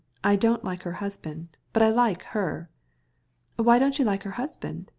I don't like her husband, but I like her very much." "Why don't you like her husband?